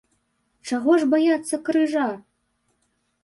Чаго ж баяцца крыжа?